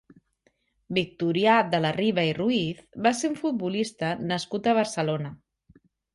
Victorià de la Riva i Ruiz va ser un futbolista nascut a Barcelona.